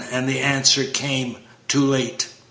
And the answer came, 'Too late.'